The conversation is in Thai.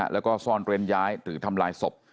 แล้วก็ซ่อนเร้นย้ายหรือทำลายศพ